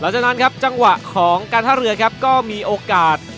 จากนั้นการท่าเรือก็มีโอกาส